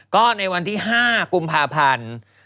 ก็ในวันที่๕กุมภาพันธ์